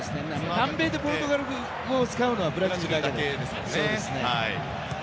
南米でポルトガル語を使うのはブラジルだけですからね。